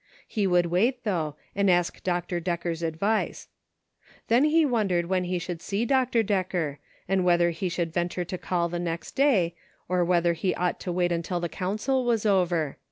He would wait, though, and ask Dr. Decker's advice. Then he wondered when he should see Dr. Decker, and whether he should venture to call the next day, or v/hether he ought to wait until the council was over.